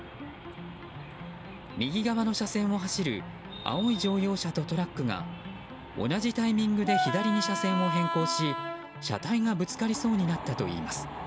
右側の車線を走る青い乗用車とトラックが同じタイミングで左に車線を変更し車体がぶつかりそうになったといいます。